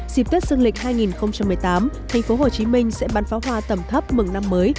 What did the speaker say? dịp tết sương lịch hai nghìn một mươi tám thành phố hồ chí minh sẽ ban pháo hoa tầm thấp mừng năm mới